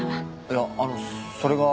いやあのそれが。